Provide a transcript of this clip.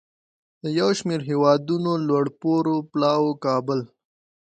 د یو شمیر هیوادونو لوړپوړو پلاوو کابل